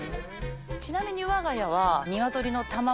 ちなみにわが家は。